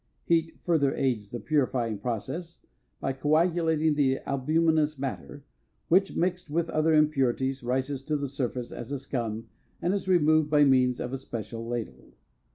Heat further aids the purifying process by coagulating the albuminous matter, which, mixed with other impurities, rises to the surface as a scum and is removed by means of a special ladle.